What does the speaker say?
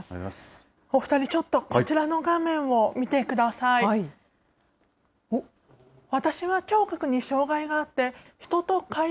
お２人、ちょっとこちらの画面を見てください。